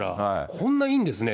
こんないいんですね。